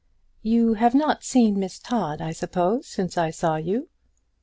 "You have not seen Miss Todd, I suppose, since I saw you?"